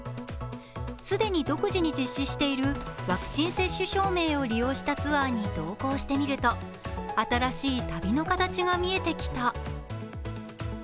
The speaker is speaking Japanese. すでに独自に実施しているワクチン接種証明を利用したツアーに同行してみると、新しい旅の形が見えてきた。